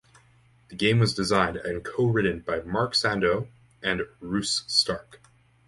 The game was designed and co-written by Mark Sandau and Russ Stark.